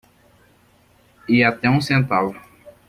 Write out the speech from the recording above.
E até um centavo.